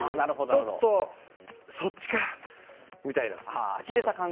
ちょっと、そっちかみたいな。